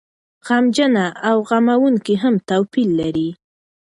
غمجنه او غموونکې هم توپير لري.